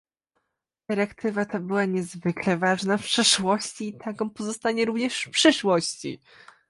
Dyrektywa ta była niezwykle ważna w przeszłości i taką pozostanie również w przyszłości